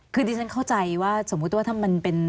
คือดิฉันเข้าใจว่าสมมุติว่าถ้ามันเป็น